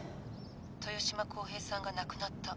豊島浩平さんが亡くなった。